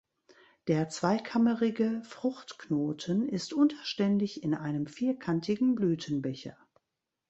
Der zweikammerige Fruchtknoten ist unterständig in einem vierkantigen Blütenbecher.